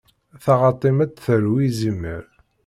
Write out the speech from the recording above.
Taɣaṭ-im ad d-tarew izimer.